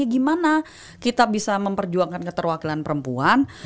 gimana kita bisa memperjuangkan keterwakilan perempuan